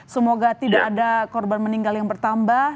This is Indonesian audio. semoga tidak ada korban meninggal yang bertambah